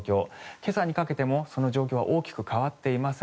今朝にかけても、その状況は大きく変わっていません。